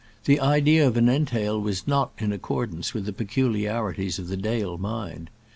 The idea of an entail was not in accordance with the peculiarities of the Dale mind.